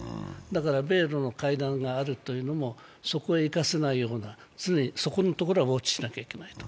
だから米ロの会談があるというのも、そこが生かせないか常にそこのところはウォッチしなければいけないと。